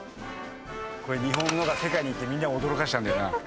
これ日本のが世界に行ってみんなを驚かしたんだよな。